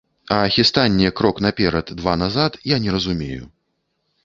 А хістанне, крок наперад, два назад, я не разумею.